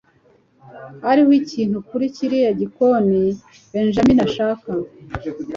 Hariho ikintu kuri kiriya gikoni Benjamin ashaka.